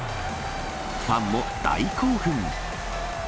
ファンも大興奮。